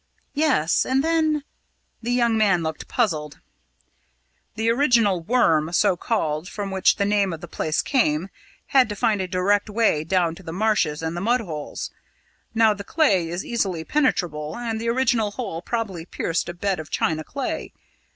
"Yes, and then " The young man looked puzzled. "The original 'Worm' so called, from which the name of the place came, had to find a direct way down to the marshes and the mud holes. Now, the clay is easily penetrable, and the original hole probably pierced a bed of china clay.